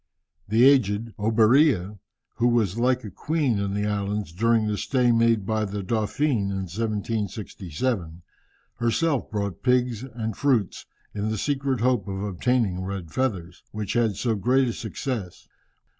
The aged Oberea, who was like a queen in the island during the stay made by the Dauphin in 1767, herself brought pigs and fruits, in the secret hope of obtaining red feathers, which had so great a success.